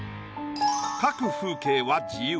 描く風景は自由。